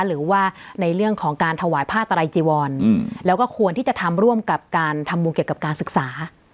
หรือว่าในเรื่องของการถวายผ้าไตรจีวรแล้วก็ควรที่จะทำร่วมกับการทำบุญเกี่ยวกับการศึกษา